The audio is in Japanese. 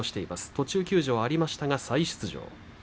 途中休場はありましたが再出場。